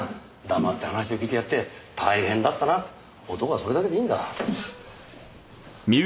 黙って話を聞いてやって大変だったなって男はそれだけでいいんだ。